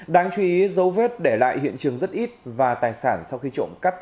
đáng chú ý dấu vết để lại hiện trường rất ít và tài sản sau khi trộm cắp